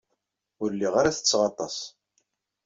Ur lliɣ ara ttetteɣ aṭas.